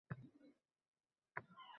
mash’ala bo‘lib qoladi…